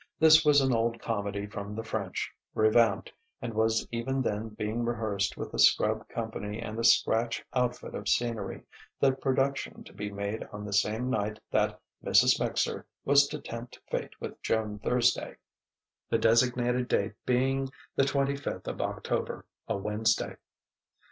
This was an old comedy from the French, revamped, and was even then being rehearsed with a scrub company and a scratch outfit of scenery, the production to be made on the same night that "Mrs. Mixer" was to tempt fate with Joan Thursday; the designated date being the twenty fifth of October, a Wednesday.